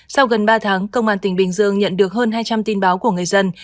sau gần ba tháng công an tỉnh bình dương nhận được hơn hai trăm linh tin báo của người dân